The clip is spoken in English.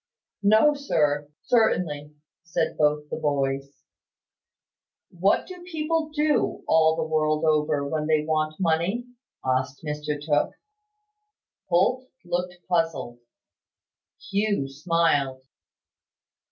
"No, sir, certainly," said both the boys. "What do people do, all the world over, when they want money?" asked Mr Tooke. Holt looked puzzled. Hugh smiled.